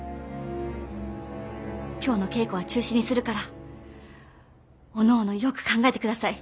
今日の稽古は中止にするからおのおのよく考えてください。